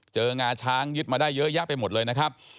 งาช้างยึดมาได้เยอะแยะไปหมดเลยนะครับ